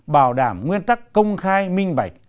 bảo đảm nguyên tắc công khai minh bạch